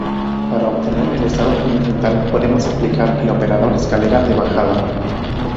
Para obtener el estado fundamental, podemos aplicar el operador escalera de bajada.